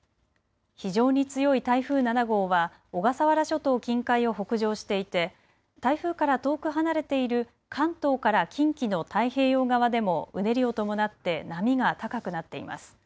非常に強い台風７号は小笠原諸島近海を北上していて台風から遠く離れている関東から近畿の太平洋側でもうねりを伴って波が高くなっています。